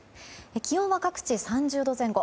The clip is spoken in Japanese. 気温は各地、３０度前後。